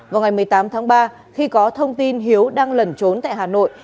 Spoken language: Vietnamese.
vào ngày một mươi tám tháng ba khi có thông tin hiếu đang lẩn trốn tại hà nội